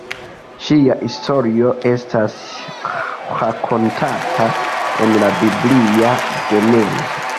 Ŝia historio estas rakontata en la biblia genezo.